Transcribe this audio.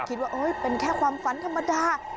คิดว่าเป็นแค่ความฝันธรรมดา